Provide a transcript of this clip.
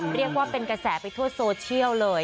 เรียกว่าเป็นกระแสไปทั่วโซเชียลเลย